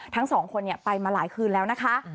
ทั้งสองคนไปมาหลายคืนแล้วนะคะ